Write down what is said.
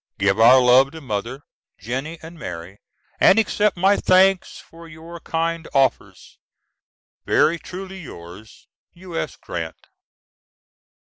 Give our love to Mother, Jennie and Mary, and accept my thanks for your kind offers. Very truly yours, U.S. GRANT.